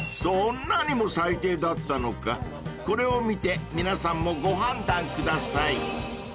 ［そんなにも最低だったのかこれを見て皆さんもご判断ください］